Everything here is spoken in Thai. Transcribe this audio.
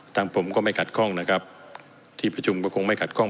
ท่านผมก็ไม่กัดคล่องนะครับที่ประชุมก็คงไม่กัดคล่อง